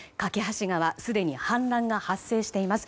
梯川すでに氾濫が発生しています。